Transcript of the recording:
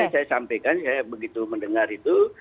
saya sampaikan saya begitu mendengar itu